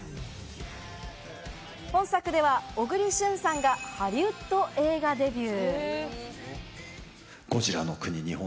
本作では小栗旬さんがハリウッド映画デビュー。